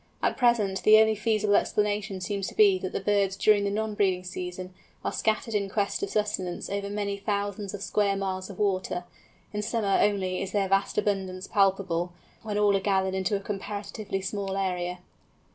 At present the only feasible explanation seems to be that the birds, during the non breeding season, are scattered in quest of sustenance over many thousands of square miles of water; in summer only is their vast abundance palpable, when all are gathered into a comparatively small area.